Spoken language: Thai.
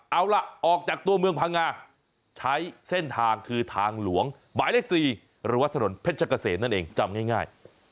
เอาล่ะออกจากตัวเมืองพังงาใช้เส้นทางคือทางหลวงหมายเลข๔หรือว่าถนนเพชรเกษมนั่นเองจำง่าย